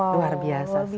luar biasa sih